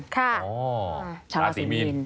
ค่ะอ๋อชาวราศีมีน